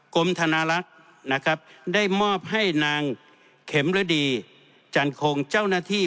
กรมธนารักษ์นะครับได้มอบให้นางเข็มฤดีจันคงเจ้าหน้าที่